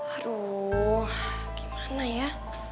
aduh gimana ya